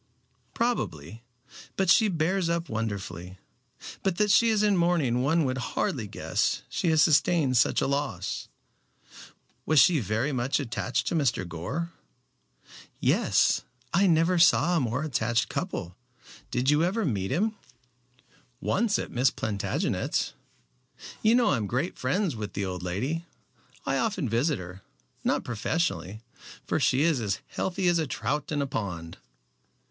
"Probably, but she bears up wonderfully. But that she is in mourning one would hardly guess she had sustained such a loss. Was she very much attached to Mr. Gore?" "Yes. I never saw a more attached couple. Did you ever meet him?" "Once at Miss Plantagenet's. You know I am great friends with the old lady. I often visit her, not professionally, for she is as healthy as a trout in a pond."